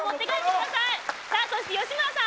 そして吉村さん。